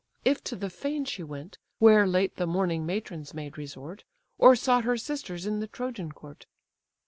If to the fane she went, Where late the mourning matrons made resort; Or sought her sisters in the Trojan court?"